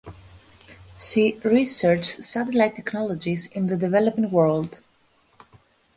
She researched satellite technologies in the developing world.